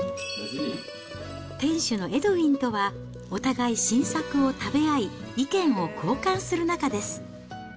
店主のエドウィンとはお互い新作を食べ合い、意見を交換する仲です。